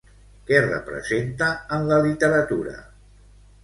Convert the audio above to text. Què representa en la literatura?